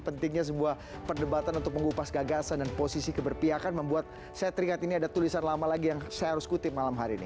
pentingnya sebuah perdebatan untuk mengupas gagasan dan posisi keberpiakan membuat saya teringat ini ada tulisan lama lagi yang saya harus kutip malam hari ini